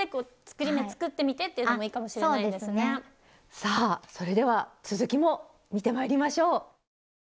さあそれでは続きも見てまいりましょう！